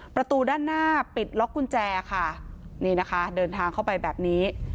ประตูด้านหน้าปิดล็อกกุญแจค่ะนี่นะคะเดินทางเข้าไปแบบนี้